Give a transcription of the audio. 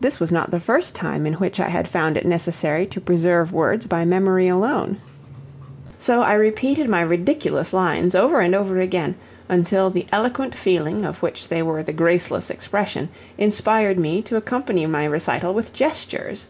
This was not the first time in which I had found it necessary to preserve words by memory alone. So I repeated my ridiculous lines over and over again, until the eloquent feeling of which they were the graceless expression inspired me to accompany my recital with gestures.